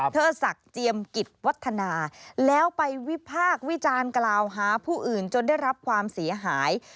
เธอศักดิ์เจียมกิจวัฒนาแล้วไปวิพากษ์วิจารณ์กล่าวหาผู้อื่นจนได้รับความเสียหาย